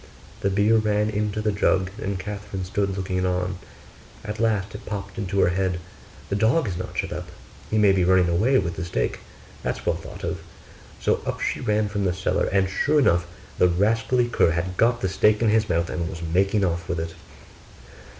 The beer ran into the jug and Catherine stood looking on. At last it popped into her head, 'The dog is not shut up he may be running away with the steak; that's well thought of.' So up she ran from the cellar; and sure enough the rascally cur had got the steak in his mouth, and was making off with it.